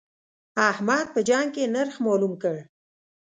احمد په جنګ کې نرخ مالوم کړ.